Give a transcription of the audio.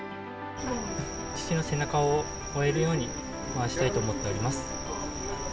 父の背中を追えるように回したいと思っております。